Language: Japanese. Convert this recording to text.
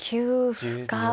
歩か。